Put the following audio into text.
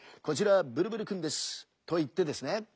「こちらブルブルくんです」。といってですね